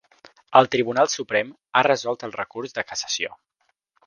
El tribunal suprem ha resolt el recurs de cassació.